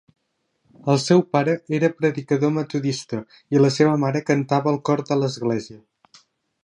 El seu pare era predicador metodista i la seva mare cantava al cor de l'església.